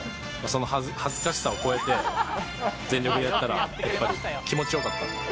その恥ずかしさを超えて、全力でやったら、やっぱり気持ちよかった。